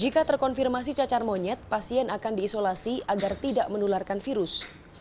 jika terkonfirmasi cacar monyet pasien akan diisolasi agar tidak menularkan virus